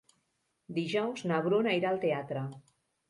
Dijous na Bruna irà al teatre.